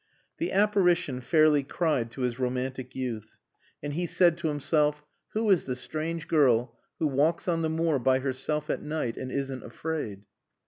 The apparition fairly cried to his romantic youth. And he said to himself. "Who is the strange girl who walks on the moor by herself at night and isn't afraid?"